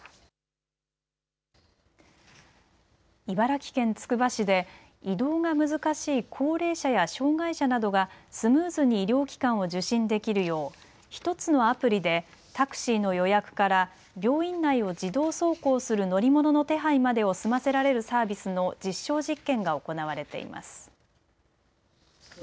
茨城県つくば市で移動が難しい高齢者や障害者などがスムーズに医療機関を受診できるよう１つのアプリでタクシーの予約から病院内を自動走行する乗り物の手配までを済ませられるサービスの実証実験が行われています。